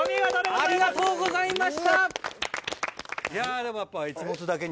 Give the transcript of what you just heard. ありがとうございます。